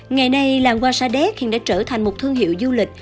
ngày nay làng hoa sa đéc hiện đã trở thành một thương hiệu du lịch